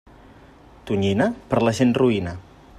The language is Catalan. Tonyina, per la gent roïna.